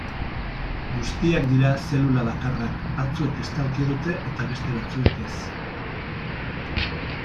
Guztiak dira zelulabakarrak, batzuek estalkia dute eta beste batzuek ez.